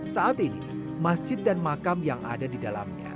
saat ini masjid dan makam yang ada di dalamnya